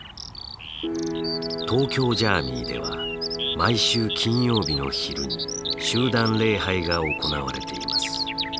東京ジャーミイでは毎週金曜日の昼に集団礼拝が行われています。